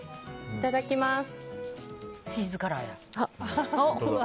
いただきます。